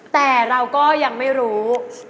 แต่เราก็ยังไม่รู้